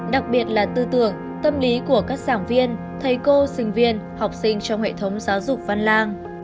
đặc biệt là tư tưởng tâm lý của các giảng viên thầy cô sinh viên học sinh trong hệ thống giáo dục văn lang